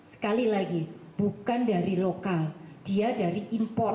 sekali lagi bukan dari lokal dia dari impor